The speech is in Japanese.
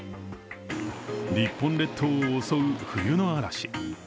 日本列島を襲う冬の嵐。